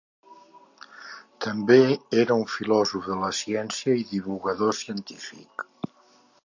També era un filòsof de la ciència i divulgador científic.